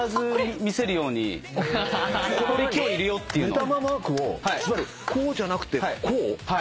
目玉マークをつまりこうじゃなくてこう。